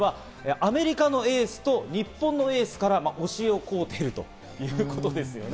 アメリカのエースと日本のエースから教えを請うということですね。